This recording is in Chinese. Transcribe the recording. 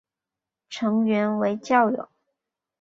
成员为教友。